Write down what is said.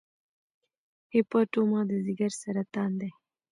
د هیپاټوما د ځګر سرطان دی.